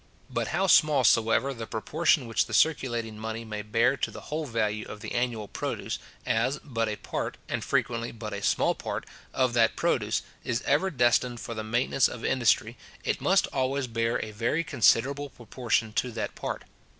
But how small soever the proportion which the circulating money may bear to the whole value of the annual produce, as but a part, and frequently but a small part, of that produce, is ever destined for the maintenance of industry, it must always bear a very considerable proportion to that part.